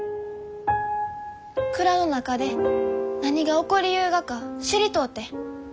蔵の中で何が起こりゆうがか知りとうて。